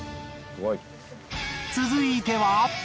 続いては。